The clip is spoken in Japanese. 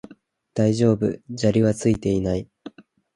大丈夫、砂利はついていない